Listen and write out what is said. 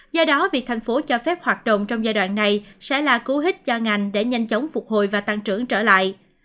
do đó việc thành phố cho phép hoạt động trong giai đoạn này sẽ là cú hích cho ngành để nhanh chóng phục hồi và tăng trưởng trở lại